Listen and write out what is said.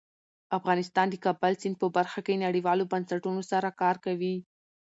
افغانستان د د کابل سیند په برخه کې نړیوالو بنسټونو سره کار کوي.